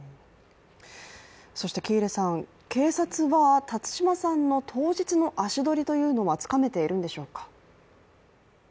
そして、警察は辰島さんの当日の足取りというのはつかめているんでしょうか。